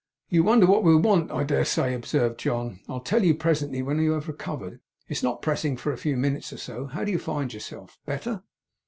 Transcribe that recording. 'You wonder what we want, I daresay,' observed John. 'I'll tell you presently, when you have recovered. It's not pressing, for a few minutes or so. How do you find yourself? Better?